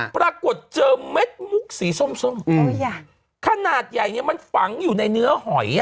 ปรากฏเจอเม็ดมุกสีส้มส้มขนาดใหญ่เนี่ยมันฝังอยู่ในเนื้อหอย